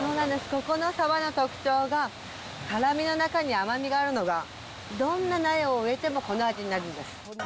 ここの沢の特徴が、辛みの中に甘みがあるのが、どんな苗を植えてもこの味になるんです。